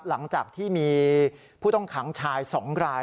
หลังจากที่มีผู้ต้องขังชาย๒ราย